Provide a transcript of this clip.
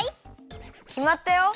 きまったよ。